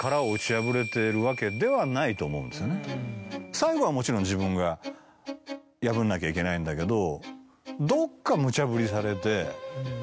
最後はもちろん自分が破んなきゃいけないんだけど。